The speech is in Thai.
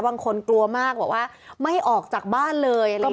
บางคนกลัวมากบอกว่าไม่ออกจากบ้านเลยอะไรอย่างเงี้ย